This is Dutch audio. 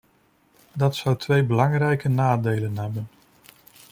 Dat zou twee belangrijke nadelen hebben.